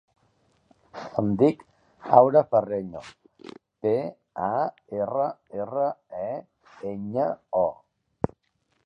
Em dic Aura Parreño: pe, a, erra, erra, e, enya, o.